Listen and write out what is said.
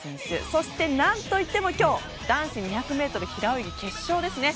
そして、何といっても今日男子２００ｍ平泳ぎ決勝ですね。